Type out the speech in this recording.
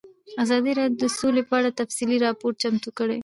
ازادي راډیو د سوله په اړه تفصیلي راپور چمتو کړی.